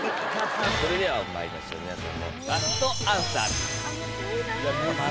それではまいりましょう皆さんの。